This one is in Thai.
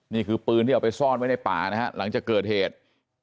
นี่คือปืนที่เอาไปซ่อนไว้ในป่านะฮะหลังจากเกิดเหตุ